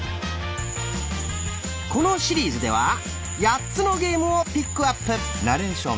このシリーズでは８つのゲームをピックアップ。